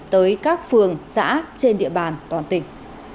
tới các phường xã trên địa bàn toàn tỉnh